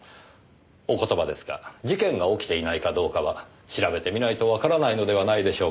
お言葉ですが事件が起きていないかどうかは調べてみないとわからないのではないでしょうか。